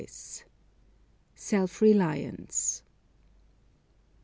SELF RELIANCE.